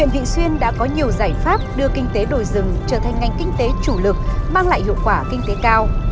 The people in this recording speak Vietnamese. vị xuyên đã có nhiều giải pháp đưa kinh tế đồi rừng trở thành ngành kinh tế chủ lực mang lại hiệu quả kinh tế cao